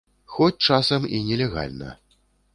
Хоць часам і нелегальна.